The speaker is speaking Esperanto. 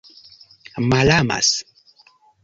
malamas